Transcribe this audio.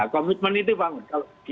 komitmen itu bangun